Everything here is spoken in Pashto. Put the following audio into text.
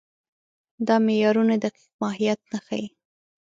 دا معیارونه دقیق ماهیت نه ښيي.